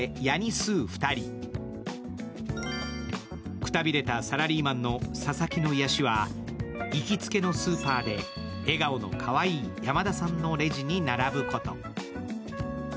⁉くたびれたサラリーマンの佐々木の癒やしは行きつけのスーパーで笑顔のかわいい山田さんのレジに並ぶこと。